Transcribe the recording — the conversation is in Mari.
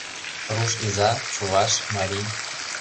Руш иза, чуваш, марий.